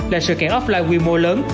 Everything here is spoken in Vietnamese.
là sự kiện offline quy mô lớn